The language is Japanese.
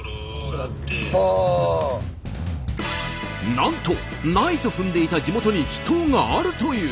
なんとないと踏んでいた地元に秘湯があるという。